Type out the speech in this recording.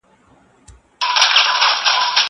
زه مخکي سبا ته فکر کړی و.